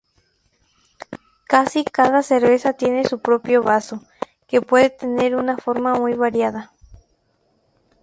Casi cada cerveza tiene su propio vaso, que puede tener una forma muy variada.